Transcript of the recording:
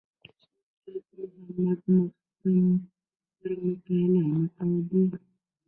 استاد محمد محق پر مقاله نقد دی.